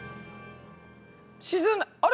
沈んだあれ？